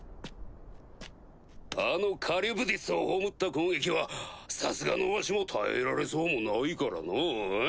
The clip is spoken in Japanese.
あのカリュブディスを葬った攻撃はさすがのわしも耐えられそうもないからのぅ。